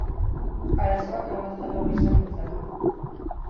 Arazoak hainbat jatorri izan ditzake.